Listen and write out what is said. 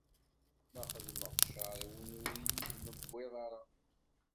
Ma xedmeɣ ccer i win ur iyi-d-newwiḍ ara.